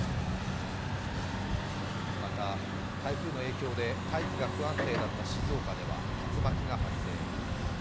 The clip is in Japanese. また台風の影響で大気が不安定だった静岡では竜巻が発生。